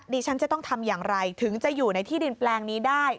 ฉันจะต้องทำอย่างไรถึงจะอยู่ในที่ดินแปลงนี้ได้